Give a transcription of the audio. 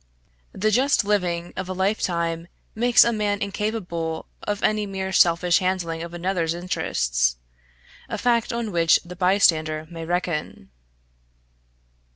The just living of a life time makes a man incapable of any mere selfish handling of another's interests a fact on which the bystander may reckon.